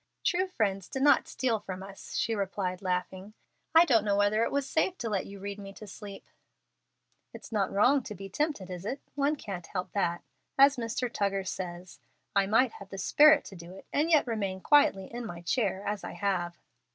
"True friends do not steal from us," she replied, laughing. "I don't know whether it was safe to let you read me to sleep?" "It's not wrong to be tempted, is it? One can't help that. As Mr. Tuggar says, I might have the 'sperit to do it,' and yet remain quietly in my chair, as I have."